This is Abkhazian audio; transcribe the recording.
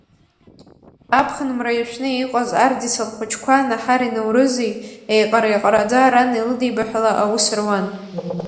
Аԥхын мра иашәны иҟаз Ардица лхәыҷқәа Наҳари Наурызи, еиҟара-еиҟараӡа, ран илыдеибаҳәала аус руан.